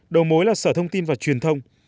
đầu mối là sở thông tin và truyền thông